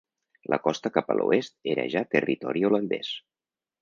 La costa cap a l'oest era ja territori holandès.